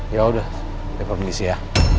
yaudah diperbincang ya